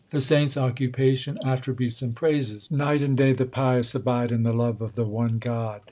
HYMNS OF GURU ARJAN 139 The saints occupation, attributes, and praises : Night and day the pious abide in the love of the one God.